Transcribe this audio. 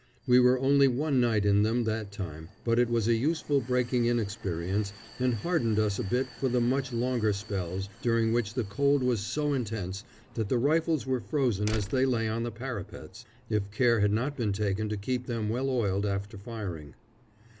We were only one night in them that time, but it was a useful breaking in experience, and hardened us a bit for the much longer spells, during which the cold was so intense that the rifles were frozen as they lay on the parapets, if care had not been taken to keep them well oiled after firing.